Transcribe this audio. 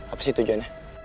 apa sih tujuannya